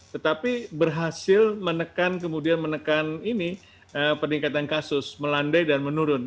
tetapi berhasil menekan kemudian menekan ini peningkatan kasus melandai dan menurun